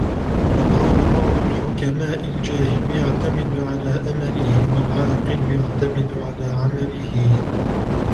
وَقَالَ بَعْضُ الْحُكَمَاءِ الْجَاهِلُ يَعْتَمِدُ عَلَى أَمَلِهِ ، وَالْعَاقِلُ يَعْتَمِدُ عَلَى عَمَلِهِ